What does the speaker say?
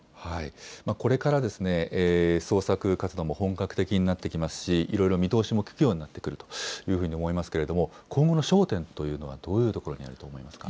これから捜索活動も本格的になってきますし、いろいろ見通しも利くようになってくるというふうに思いますけれども、今後の焦点というのはどういうところにあると思いますか。